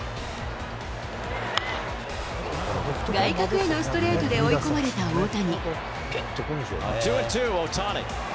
外角へのストレートで追い込まれた大谷。